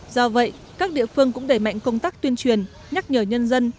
do vậy các địa phương cũng đẩy mạnh công tác tuyên truyền nhắc nhở nhân dân